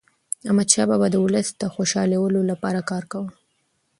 احمدشاه بابا د ولس د خوشحالیلپاره کار کاوه.